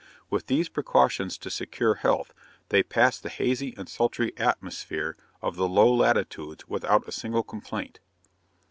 With these precautions to secure health, they passed the hazy and sultry atmosphere of the low latitudes without a single complaint.